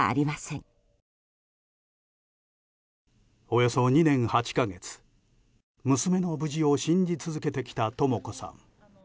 およそ２年８か月娘の無事を信じ続けてきたとも子さん。